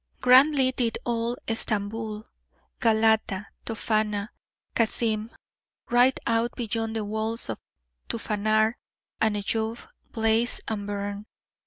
Grandly did old Stamboul, Galata, Tophana, Kassim, right out beyond the walls to Phanar and Eyoub, blaze and burn.